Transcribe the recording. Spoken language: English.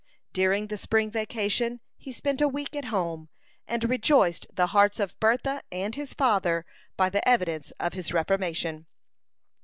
During the spring vacation, he spent a week at home, and rejoiced the hearts of Bertha and his father by the evidences of his reformation.